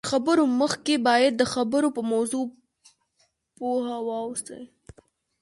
تر خبرو مخکې باید د خبرو په موضوع پوه واوسئ